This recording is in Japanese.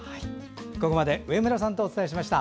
ここまで上村さんとお伝えしました。